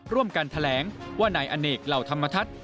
ร่วมกันแถลงว่านายอเนกเหล่าธรรมทัศน์